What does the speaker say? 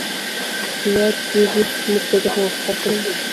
په یاد دي موږ په دې موافقه کړې وه